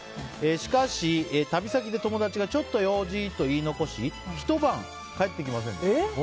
しかし、旅先で友達がちょっと用事と言い残しひと晩帰ってきませんでした。